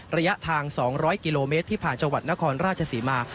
ระยะทาง๒๐๐กิโลเมตรที่ผ่านจังหวัดนครราชศรีมา